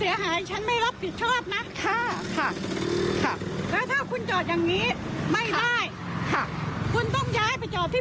ย้ายไปเลย